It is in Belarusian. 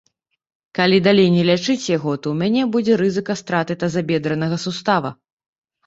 Калі далей не лячыць яго, то ў мяне будзе рызыка страты тазабедранага сустава.